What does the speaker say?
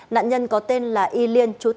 nạn nhân có tên là y lien